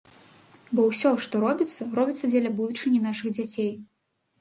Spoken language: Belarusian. Бо ўсё, што робіцца, робіцца дзеля будучыні нашых дзяцей.